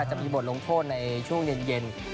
จะมีบทลงโทษในช่วงเย็น